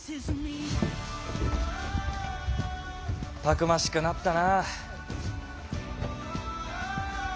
たくましくなったな。